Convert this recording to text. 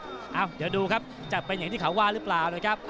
เดี๋ยวดูครับจะเป็นอย่างที่เขาว่าหรือเปล่านะครับ